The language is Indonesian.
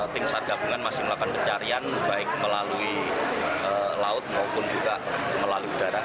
tim sar gabungan masih melakukan pencarian baik melalui laut maupun juga melalui udara